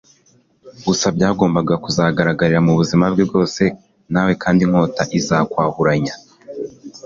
gusa byagombaga no kuzagaragarira mu buzima bwe bwose. nawe kandi inkota izakwahuranya